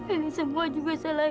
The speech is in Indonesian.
ini semua juga salah